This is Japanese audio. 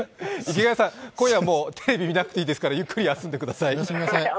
池谷さん、今夜はもうテレビ見なくていいですから、しっかり休んでください。